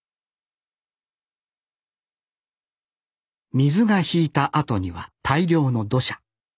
水が引いたあとには大量の土砂。